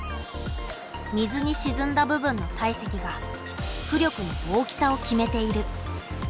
水にしずんだ部分の体積が浮力の大きさを決めている。